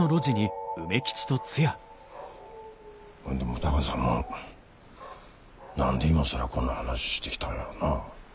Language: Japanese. ほんでもタカさんも何で今更こんな話してきたんやろな。